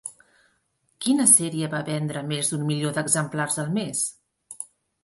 Quina sèrie va vendre més d'un milió d'exemplars al mes?